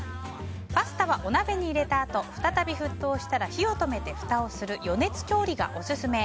パスタはお鍋に入れたあと再び沸騰したら火を止めてふたをする余熱調理がオススメ。